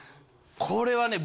これはね